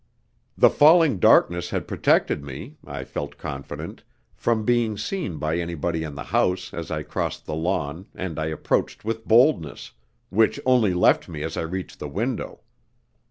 The falling darkness had protected me, I felt confident, from being seen by anybody in the house as I crossed the lawn, and I approached with boldness, which only left me as I reached the window.